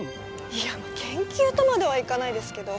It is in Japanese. いや研究とまではいかないですけど。